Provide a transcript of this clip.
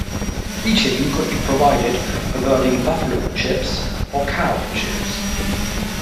Heating could be provided by burning buffalo chips or cow chips.